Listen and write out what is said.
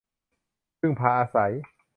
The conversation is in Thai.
พึ่งพาอาศัย